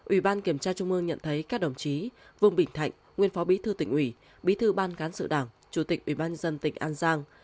ủy ban kiểm tra trung ương nhận thấy các đồng chí vương bình thạnh nguyên phó bí thư tỉnh ủy bí thư ban cán sự đảng chủ tịch ủy ban dân tỉnh an giang